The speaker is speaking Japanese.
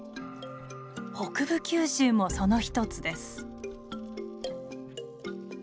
北部九州もその一つです。